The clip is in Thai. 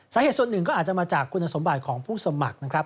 สาเหตุส่วนหนึ่งก็อาจจะมาจากคุณสมบัติของผู้สมัครนะครับ